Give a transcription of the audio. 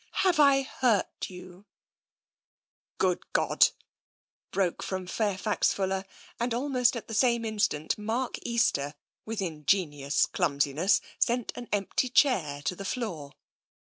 Have I hurt you ?"" Good God !" broke from Fairfax Fuller, and al most at the same instant Mark Easter, with ingenious clumsiness, sent an empty chair to the floor.